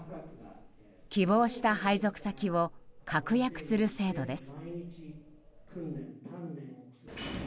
希望した配属先を確約する制度です。